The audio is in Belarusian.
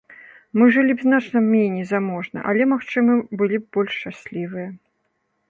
Мы жылі б значна меней заможна, але, магчыма, былі б больш шчаслівыя.